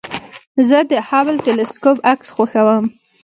زه د هبل ټېلسکوپ عکس خوښوم.